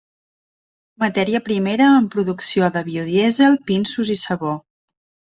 Matèria primera en producció de biodièsel, pinsos i sabó.